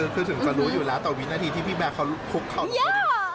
คือสุดท้ายรู้อยู่แล้วต่อปีนาทีพี่แบ้คเข้าใกล้